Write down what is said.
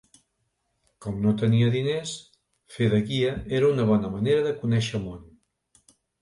Com no tenia diners, fer de guia era una bona manera de conèixer món.